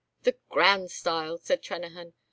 "The grand style," said Trennahan.